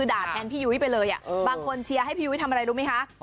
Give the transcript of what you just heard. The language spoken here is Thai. ด่าแทนพี่ยุ้ยไปเลยบางคนเชียร์ให้พี่ยุ้ยทำอะไรรู้ไหมคะ